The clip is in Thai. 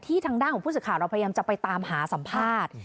ทางด้านของผู้สื่อข่าวเราพยายามจะไปตามหาสัมภาษณ์